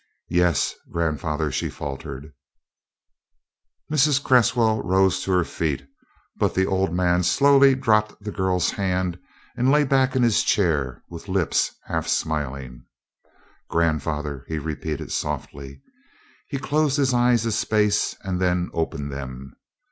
"Yes, Grandfather," she faltered. Mrs. Cresswell rose to her feet; but the old man slowly dropped the girl's hand and lay back in his chair, with lips half smiling. "Grandfather," he repeated softly. He closed his eyes a space and then opened them.